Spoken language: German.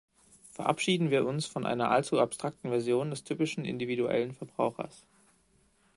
Verabschieden wir uns von einer allzu abstrakten Vision des typischen individuellen Verbrauchers.